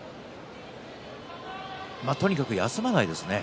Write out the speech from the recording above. とにかく休まないですね。